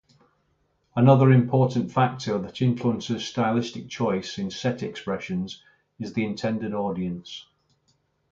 Another important factor that influences stylistic choice in set-expressions is the intended audience.